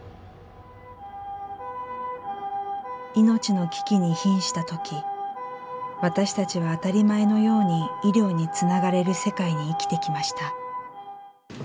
命の危機に瀕した時私たちは当たり前のように医療につながれる世界に生きてきました。